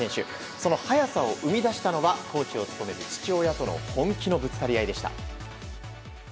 その速さを生み出したのはコーチを務める父親との本気のぶつかり合いでした。